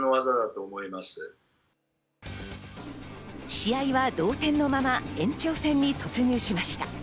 試合は同点のまま延長戦に突入しました。